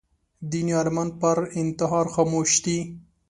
دیني عالمان پر انتحار خاموش دي